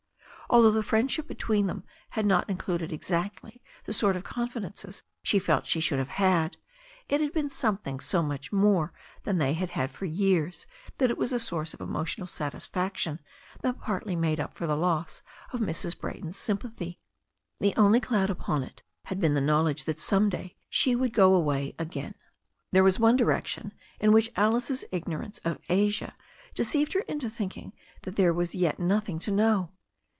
Al though the friendship between them had not included exactly the sort of confidences she felt she should have had, it had been something so much more than they had had for years that it was a source of emotional satisfaction that partly made up for the loss of Mrs. Brayton's sympathy. The only cloud upon it had been the knowledge that some day she would go away again. There was one direction in which Alice's ignorance of Asia deceived her into thinking that there was yet nothing to know.